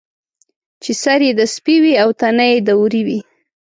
چې سر یې د سپي وي او تنه یې د وري وي.